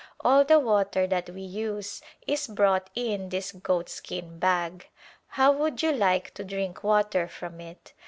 All the water that we use is brought in this goatskin bag. How would you like to drink water from it